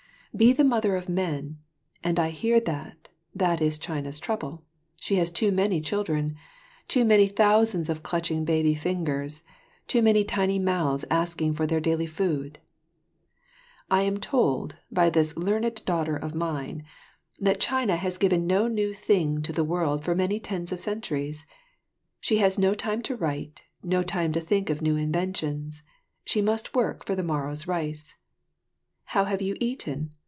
Be the mother of men; and I hear that, that is China's trouble. She has too many children, too many thousands of clutching baby fingers, too many tiny mouths asking for their daily food. I am told, by this learned daughter of mine, that China has given no new thing to the world for many tens of centuries. She has no time to write, no time to think of new inventions; she must work for the morrow's rice. "How have you eaten?"